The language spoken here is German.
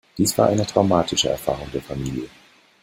Dies war eine traumatische Erfahrung der Familie.